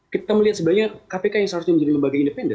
kita melihat sebenarnya kpk yang seharusnya menjadi lembaga independen